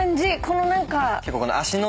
この何か。